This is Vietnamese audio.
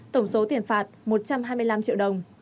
tổng số tiền phạt một trăm hai mươi năm triệu đồng